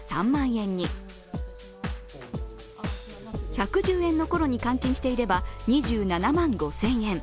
１１０円のころに換金していれば２７万５０００円。